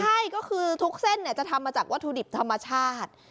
ใช่ก็คือทุกเส้นจะทำมาจากวัตถุดิบธรรมชาติ